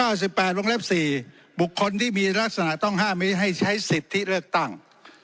แปดวงเล็บสี่บุคคลที่มีลักษณะต้องห้ามไม่ให้ใช้สิทธิเลือกตั้ง